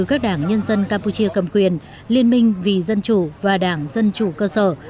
các đảng nhân dân campuchia cầm quyền liên minh vì dân chủ và đảng dân chủ cơ sở